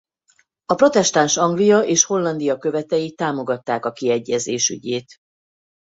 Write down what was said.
A protestáns Anglia és Hollandia követei támogatták a kiegyezés ügyét.